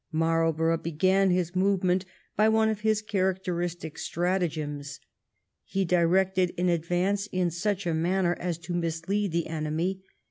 Marlborough began his movement by one of his characteristic strata gems. He directed an advance in such a manner as to mislead the enemy.